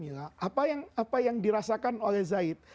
apa yang dirasakan oleh zaid